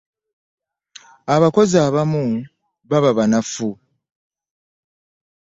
abakozi abamu baba banafu.